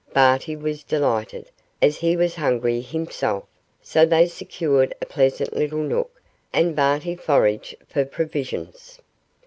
Barty was delighted, as he was hungry himself, so they secured a pleasant little nook, and Barty foraged for provisions.